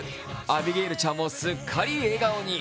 アビゲイルちゃんもすっかり笑顔に。